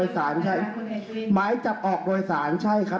ซึ่งไม่ได้อยู่ปอ๔๒๐นะครับ